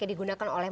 yang digunakan oleh